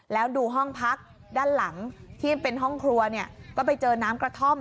แล้วดูห้องพักด้านหลังที่เป็นห้องครัวเนี่ยก็ไปเจอน้ำกระท่อม